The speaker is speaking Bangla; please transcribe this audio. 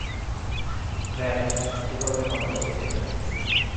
ব্যস এ ব্যাপারে কথা বলতে চাই না।